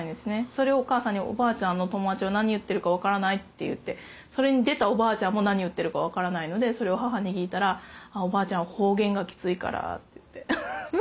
それをお母さんにおばあちゃんの友達は何言ってるか分からないって言ってそれに出たおばあちゃんも何言ってるか分からないのでそれを母に聞いたらおばあちゃんは方言がキツいからって言って。